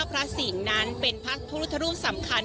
พระสิ่งนั้นเป็นพรรณฐุรุ้มสำคัญ